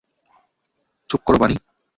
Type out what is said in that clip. চুপ করো, বানি!